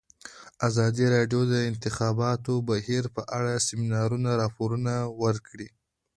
ازادي راډیو د د انتخاباتو بهیر په اړه د سیمینارونو راپورونه ورکړي.